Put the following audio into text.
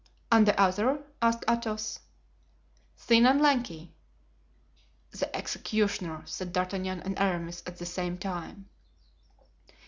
"And the other?" asked Athos. "Thin and lanky." "The executioner," said D'Artagnan and Aramis at the same time.